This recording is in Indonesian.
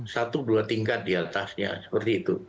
satu dua tingkat diatasnya seperti itu